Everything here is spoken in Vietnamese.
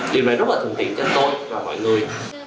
điều này rất là thuận tiện cho tôi và mọi người